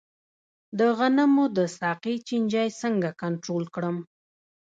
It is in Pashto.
د غنمو د ساقې چینجی څنګه کنټرول کړم؟